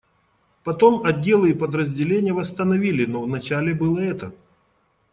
Потом отделы и подразделения восстановили, но вначале было это.